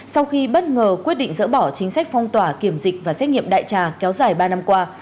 sau khi bất ngờ quyết định dỡ bỏ chính sách phong tỏa kiểm dịch và xét nghiệm đại trà kéo dài ba năm qua